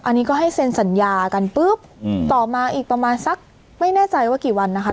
อันนี้ก็ให้เซ็นสัญญากันปุ๊บต่อมาอีกประมาณสักไม่แน่ใจว่ากี่วันนะคะ